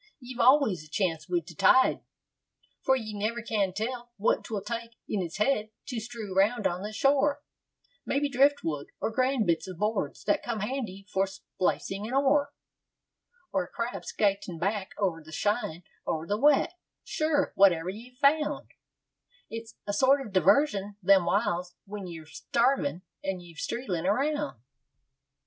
Ye've always a chance wid the tide; For ye never can tell what 'twill take in its head to strew round on the shore; Maybe driftwood, or grand bits of boards that come handy for splicing an oar, Or a crab skytin' back o'er the shine o' the wet; sure, whatever ye've found, It's a sort of diversion them whiles when ye've starvin' and strelin' around.